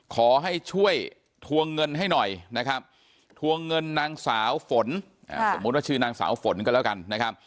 ขอให้ช่วยทวงเงินให้หน่อยนะครับทวงเงินนางสาวฝนสมมุติว่าชื่อนางสาวฝนก็แล้วกันนะครับ